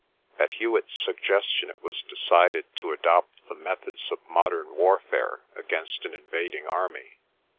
At Hewet's suggestion it was decided to adopt the methods of modern warfare against an invading army.